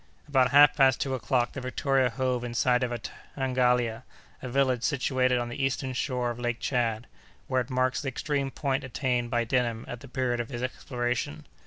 About half past two o'clock, the Victoria hove in sight of Tangalia, a village situated on the eastern shore of Lake Tchad, where it marks the extreme point attained by Denham at the period of his exploration.